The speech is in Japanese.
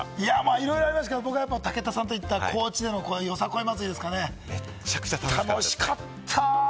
いろいろありますが、武田さんと行った高知よさこい祭りですね、楽しかった。